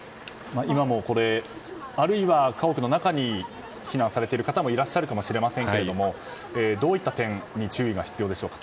今も、あるいは家屋の中に避難されている方もいらっしゃるかもしれませんけどどういった点に注意が必要でしょうか。